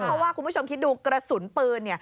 เพราะว่าคุณผู้ชมคิดดูกระสุนปืน